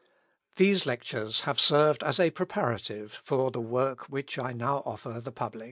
These lectures have served as a preparative for the work which I now offer to the public.